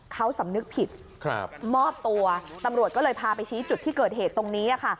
เขาสำนึกผิดมอบตัวตำรวจก็เลยพาไปชี้จุดที่เกิดเหตุตรงนี้ค่ะ